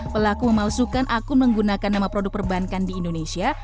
pelaku memalsukan akun menggunakan nama produk perbankan di indonesia